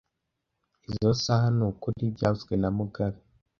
Izoi saha nukuri byavuzwe na mugabe